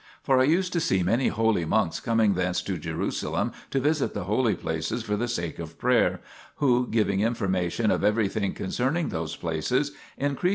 For I used to see many holy monks coming thence to Jerusalem to visit the holy places for the sake of prayer, who, giving information of every thing concerning those places, increased my desire to 1 LXX 'ESpdftfj.